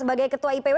saya mencari ketua ipw